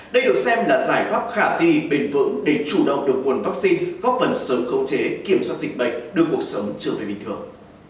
đây được xem là giải pháp khả tì bền vững để chủ động được nguồn vaccine góp phần sớm khống chế kiểm soát dịch bệnh đưa cuộc sống trở về bình thường